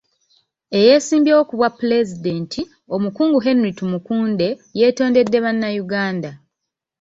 Eyeesimbyewo ku bwapulezidenti, omukungu Henry Tumukunde, yeetondedde Bannayuganda.